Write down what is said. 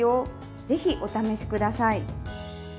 ぜひお試しください。